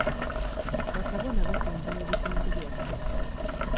Ba Kabona batumbula ebitundu byaffe.